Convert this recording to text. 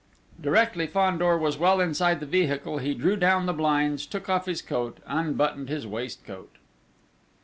Directly Fandor was well inside the vehicle, he drew down the blinds; took off his coat; unbuttoned his waistcoat!...